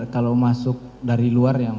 kalau masuk dari luar